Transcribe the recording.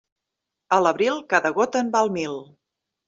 A l'abril, cada gota en val mil.